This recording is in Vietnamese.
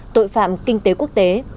tội phạm kinh tế quốc tế